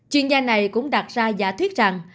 chuyên gia này cũng đặt ra giả thuyết rằng